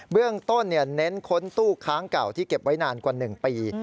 เรื่องต้นเน้นค้นตู้ค้างเก่าที่เก็บไว้นานกว่า๑ปี